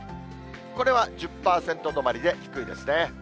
これは１０％止まりで低いですね。